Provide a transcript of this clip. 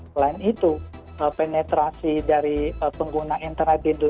selain itu penetrasi dari pengguna internet di indonesia